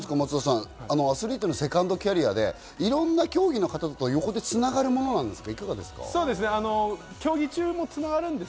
アスリートのセカンドキャリアでいろんな競技の方と横で繋がるものなんですか？